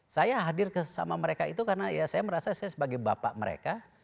saya hadir sama mereka itu karena ya saya merasa saya sebagai bapak mereka